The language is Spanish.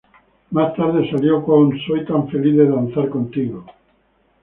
Más tarde, salió con "I'm Happy Just to Dance With You.